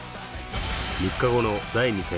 ３日後の第２戦